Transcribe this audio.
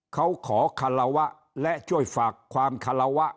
เขาขอคาราวะและช่วยฝากความคาราวะ